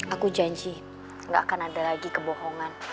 aku janji gak akan ada lagi kebohongan